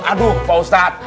aduh pak ustadz